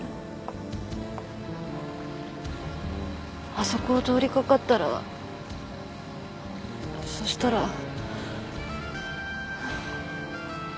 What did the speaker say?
あそこを通りかかったらそしたらそしたら。